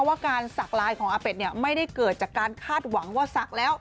ว่าการสักลายของอาเป็ดเนี่ยไม่ได้เกิดจากการคาดหวังว่าศักดิ์แล้ว